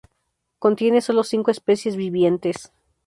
Contiene solo cinco especies vivientes.